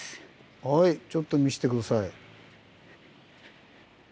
はいちょっと見して下さい。